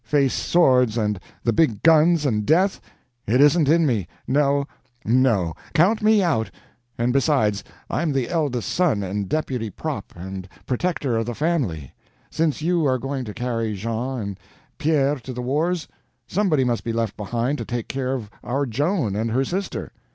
Face swords and the big guns and death? It isn't in me. No, no; count me out. And besides, I'm the eldest son, and deputy prop and protector of the family. Since you are going to carry Jean and Pierre to the wars, somebody must be left behind to take care of our Joan and her sister.